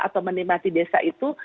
atau menikmati desa itu